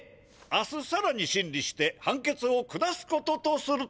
明日さらにしんりしてはんけつを下すこととする！